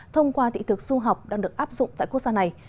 thông qua thị thực du học đang được áp dụng tại quốc gia này